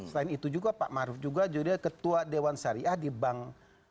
selain itu juga pak maruf juga ketua dewan syariah di bank